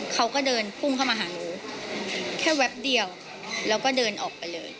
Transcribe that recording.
เขาก็เดินพุ่งเข้ามาหาหนูแค่แวบเดียวแล้วก็เดินออกไปเลย